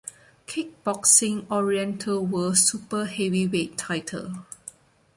Kickboxing Oriental World Super Heavyweight title.